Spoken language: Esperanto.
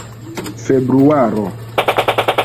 februaro